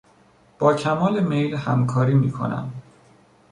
با کمال میل همکاری میکنم.